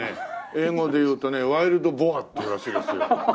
英語で言うとねワイルドボーアっていうらしいですよ。